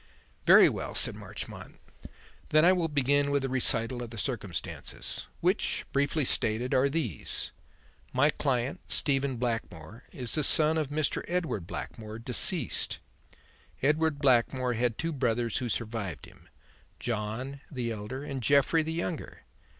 "Very well," said Marchmont. "Then I will begin with a recital of the circumstances, which, briefly stated, are these: My client, Stephen Blackmore, is the son of Mr. Edward Blackmore, deceased. Edward Blackmore had two brothers who survived him, John, the elder, and Jeffrey, the younger.